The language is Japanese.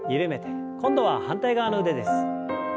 今度は反対側の腕です。